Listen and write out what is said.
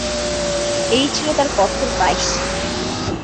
এই ছিল তাঁর কঠোর প্রায়শ্চিত্ত।